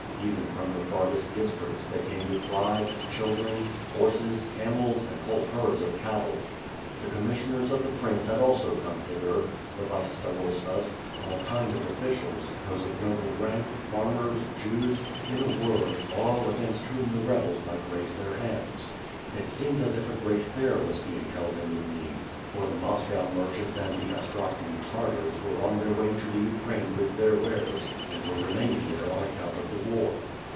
Even from the farthest districts, they came with wives, children, horses, camels, and whole herds of cattle. The commissioners of the Prince had WITH FIRE AND SWORD. 299 also come hither, the vice starostas, all kind of oflBcials, those of noble rank, farmers, Jews, in a word, all, against whom the rebels might raise their hands. It seemed as if a great fair was being held in Lubni, for the Moscow merchants and the Astrakhan Tartars were there on their way to the Ukraine with their wares, and were remaining there on account of the war.